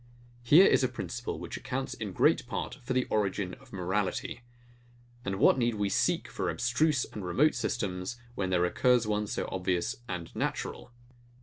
Here is a principle, which accounts, in great part, for the origin of morality: And what need we seek for abstruse and remote systems, when there occurs one so obvious and natural?